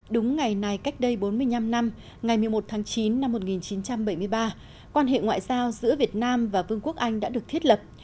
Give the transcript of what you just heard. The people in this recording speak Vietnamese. đúng ngày này cách đây bốn mươi năm năm ngày một mươi một tháng chín năm một nghìn chín trăm bảy mươi ba quan hệ ngoại giao giữa việt nam và vương quốc anh đã được thiết lập